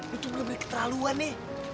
lo tuh belom ada keterlaluan nih